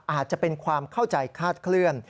อาจจะเป็นความเข้าใจคาดเคลื่อน